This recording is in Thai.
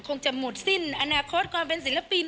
คงจะหมดสิ้นอนาคตความเป็นศิลปิน